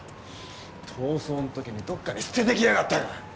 逃走の時にどっかに捨ててきやがったか！